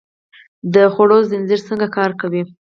د خوړو زنځیر څنګه کار کوي؟